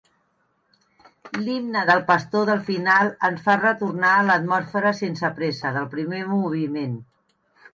L'himne del pastor del final ens fa retornar a l'atmosfera sense pressa del primer moviment.